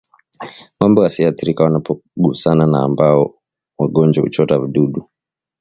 Ngombe wasioathirika wanapogusana na ambao ni wagonjwa huchota vijidudu